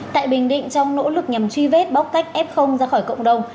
tại bình định trong nỗ lực nhằm truy vết bóc tách f ra khỏi cộng đồng